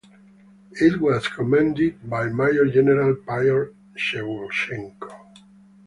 It was commanded by Major General Pyotr Shevchenko.